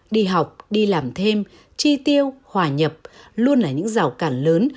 đi học đi làm thêm chi tiêu hòa nhập luôn là những rào cản lớn